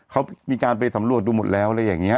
เขามีการไปสำรวจดูหมดแล้วอะไรอย่างนี้